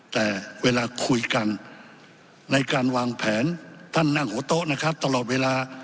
แต่เวลาคุยกันในการวางแผนท่านนั่งหัวโต๊ะนะครับตลอดเวลา